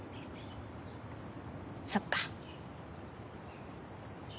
そっか。